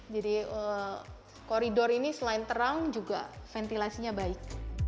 jadi koridor ini selain terang juga ventilasinya baik